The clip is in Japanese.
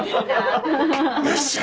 よっしゃ。